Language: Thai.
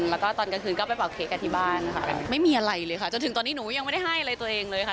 แล้วก็ตอนกลางคืนก็ไปเป่าเค้กกันที่บ้านค่ะไม่มีอะไรเลยค่ะจนถึงตอนนี้หนูยังไม่ได้ให้อะไรตัวเองเลยค่ะ